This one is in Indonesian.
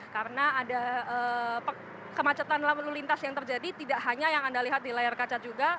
karena ada kemacetan lalu lintas yang terjadi tidak hanya yang anda lihat di layar kaca juga